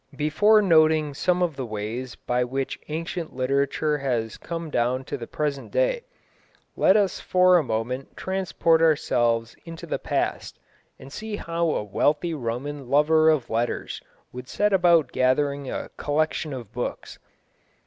Before noting some of the ways by which ancient literature has come down to the present day, let us for a moment transport ourselves into the past, and see how a wealthy Roman lover of letters would set about gathering a collection of books.